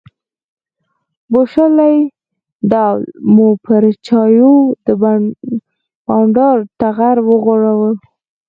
بوشلې ډول مو پر چایو د بانډار ټغر وغوړاوه.